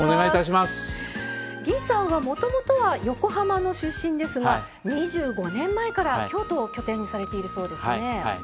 魏さんはもともとは横浜の出身ですが２５年前から京都を拠点にされているそうですね。